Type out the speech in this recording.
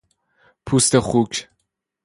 پوست خوک